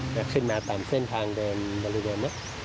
ก็ขึ้นมาตามเส้นทางเดินบริเวณนี้